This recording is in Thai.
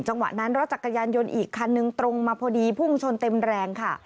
จังหวะนั้นรถจักรยานยนต์อีกคันนึงตรงมาพอดีพุ่งชนเต็มแรงค่ะ